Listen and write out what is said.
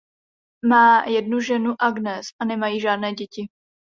Má jednu ženu Agnes a nemají žádné děti.